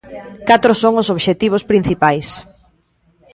Catro son os obxectivos principais.